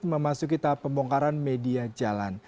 memasuki tahap pembongkaran media jalan